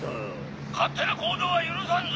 勝手な行動は許さんぞ！